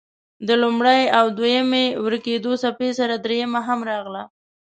د لومړۍ او دویمې ورکېدو څپې سره دريمه هم راغله.